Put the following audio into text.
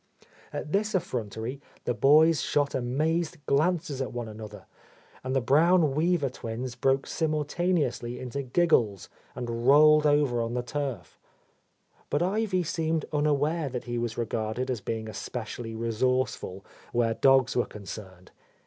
A Lost Lady At this effrontery the boys shot amazed glances at one another, and the brown Weaver twins broke simultaneously into giggles and rolled over on the turf. But Ivy seemed unaware that he was regarded as being especially resourceful where dogs were concerned.